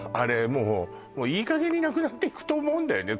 もうもういいかげんになくなっていくと思うんだよね